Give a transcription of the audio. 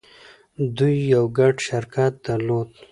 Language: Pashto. دوی يو ګډ شرکت درلود.